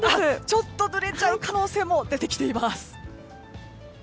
ちょっとぬれちゃう可能性も出てきています。